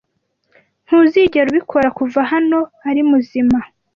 Ntuzigera ubikora kuva hano ari muzima.